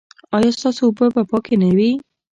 ایا ستاسو اوبه به پاکې نه وي؟